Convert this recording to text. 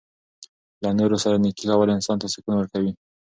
له نورو سره نیکي کول انسان ته سکون ورکوي.